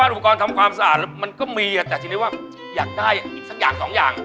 อุปกรณ์ทำความสะอาดมันก็มีแต่ทีนี้ว่าอยากได้อีกสักอย่างสองอย่าง